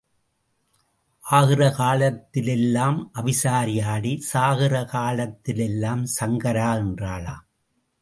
ஆகிற காலத்திலெல்லாம் அவிசாரி ஆடி, சாகிற காலத்தில் சங்கரா என்றாளாம்.